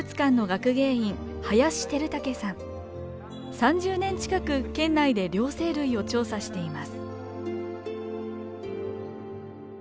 ３０年近く県内で両生類を調査しています。